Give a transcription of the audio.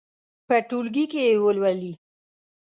په ټولګي کې دې یې ولولي.